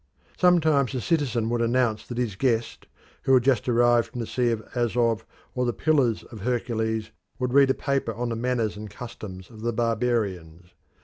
Sometimes a citizen would announce that his guest, who had just arrived from the sea of Azov or the Pillars of Hercules, would read a paper on the manners and customs of the barbarians.